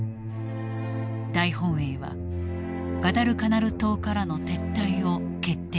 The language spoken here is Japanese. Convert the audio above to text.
大本営はガダルカナル島からの撤退を決定した。